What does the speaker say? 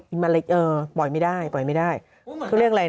อืมปล่อยไม่ได้เขาเรียกอะไรนะ